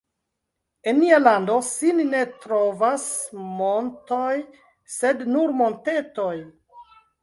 En nia lando sin ne trovas montoj, sed nur montetoj.